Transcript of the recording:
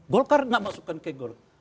golkar gak masukkan ke golkar